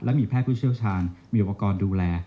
และมีแพทย์ผู้เชี่ยวชาญมีอุปกรณ์ดูแล